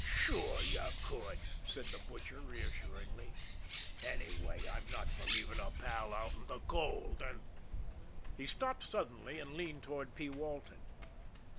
"Sure, you could," said the Butcher reassuringly. "Anyway, I'm not fer leavin' a pal out in de cold, an' " He stopped suddenly, and leaned toward P. Walton.